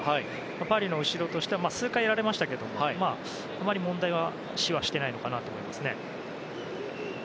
パリの後ろとしては数回やられましたがあまり問題視をしてないかなと思います。